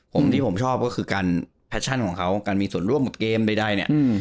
ผมที่ผมชอบก็คือการแพชชั่นของเขาการมีส่วนร่วมกับเกมใดเนี่ย